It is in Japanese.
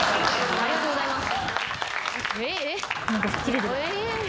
ありがとうございます。